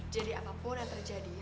jadi apapun yang terjadi